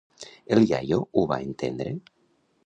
El iaio ho va entendre?